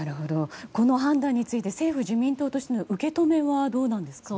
この判断について政府・自民党としての受け止めはどうなんですか。